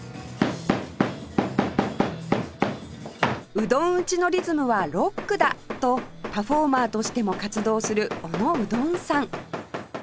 うどん打ちのリズムはロックだ！とパフォーマーとしても活動する小野ウどんさん